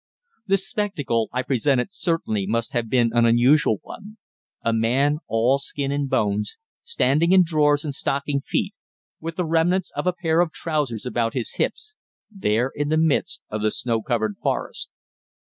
The spectacle I presented certainly must have been an unusual one a man all skin and bones, standing in drawers and stocking feet, with the remnants of a pair of trousers about his hips, there in the midst of the snow covered forest.